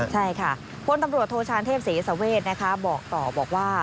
ใช่ค่ะพลตำรวจโทชานเทพเสสเวทนะคะบอกต่อบอกว่า